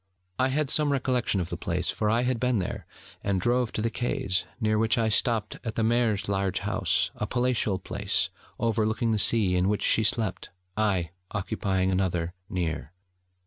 I had some recollection of the place, for I had been there, and drove to the quays, near which I stopped at the Maire's large house, a palatial place overlooking the sea, in which she slept, I occupying another near.